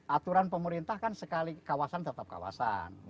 aturan pemerintah kan sekali kawasan tetap kawasan